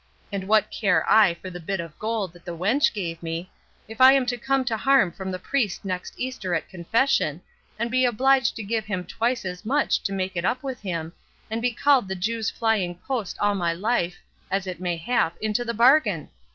And what care I for the bit of gold that the wench gave me, if I am to come to harm from the priest next Easter at confession, and be obliged to give him twice as much to make it up with him, and be called the Jew's flying post all my life, as it may hap, into the bargain?